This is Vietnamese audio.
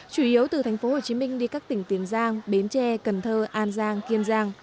chủ yếu từ thành phố hồ chí minh đi các tỉnh tiền giang bến tre cần thơ an giang kiên giang